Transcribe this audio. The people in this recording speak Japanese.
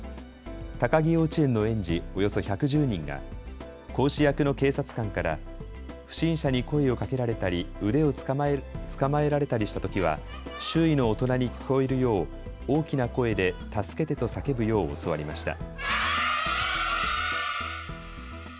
高木幼稚園の園児、およそ１１０人が講師役の警察官から不審者に声をかけられたり腕を捕まえられたりしたときは周囲の大人に聞こえるよう大きな声で助けてと叫ぶよう教わりました。